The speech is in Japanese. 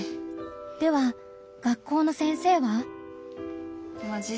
では学校の先生は？